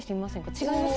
違います？